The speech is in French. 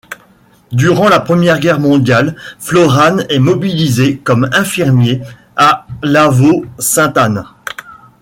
Durant la Première Guerre mondiale, Florane est mobilisé comme infirmier à Lavault-Sainte-Anne.